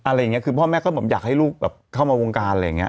อะไรอย่างนี้คือพ่อแม่ก็แบบอยากให้ลูกแบบเข้ามาวงการอะไรอย่างเงี้